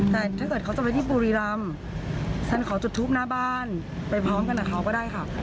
แต่ถ้าเกิดเขาจะไปที่บุรีรำฉันขอจุดทูปหน้าบ้านไปพร้อมกันกับเขาก็ได้ค่ะ